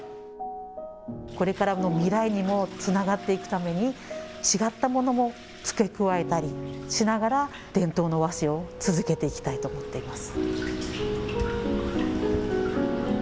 これからの未来にもつながっていくために違ったものも付け加えたりしながら伝統の和紙を続けていきたいと思っています。